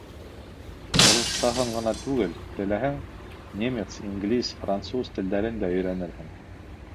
Урыҫ-саһын ғына түгел, теләһәң, немец, инглиз, француз телдәрен дә өйрәнерһең.